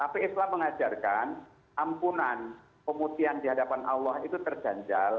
tapi islam mengajarkan ampunan pemutihan di hadapan allah itu terganjal